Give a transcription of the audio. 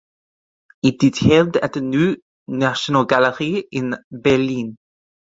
It is held at the Neue Nationalgalerie in Berlin.